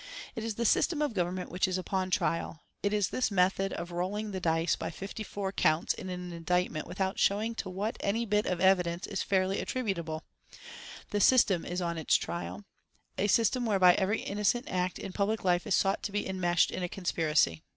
It is the system of Government which is upon its trial. It is this method of rolling the dice by fifty four counts in an indictment without showing to what any bit of evidence is fairly attributable; the system is on its trial a system whereby every innocent act in public life is sought to be enmeshed in a conspiracy."